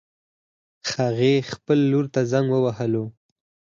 هغې خپل لور ته زنګ ووهله